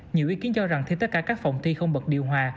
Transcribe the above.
nhiều ý kiến cho rằng khi tất cả các phòng thi không bật điều hòa